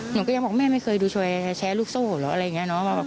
หนูก็ยังบอกแม่ไม่เคยดูช่วยแชร์ลูกโซ่เหรออะไรอย่างนี้เนาะ